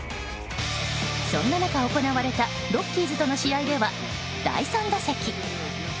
そんな中行われたロッキーズとの試合では第３打席。